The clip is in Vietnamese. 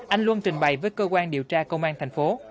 anh luân trình bày với cơ quan điều tra công an thành phố